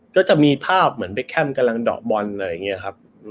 ก็จะมีภาพเหมือนเบคแคมกำลังเดาะบอลอะไรอย่างนี้ครับ